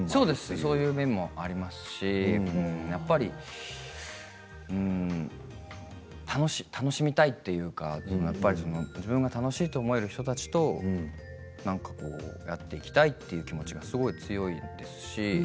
そういう面もありますし楽しみたいというか自分が楽しいと思える人たちとやっていきたいという気持ちがすごい強いですし。